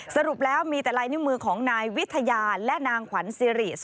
สรุปแล้วมีแต่ลายนิ้วมือของนายวิทยาและนางขวัญซิริ